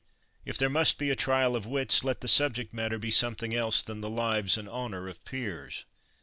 If there must be a trial of wits, let the subject matter be something else than the lives and honor of peers!